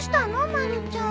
まるちゃん。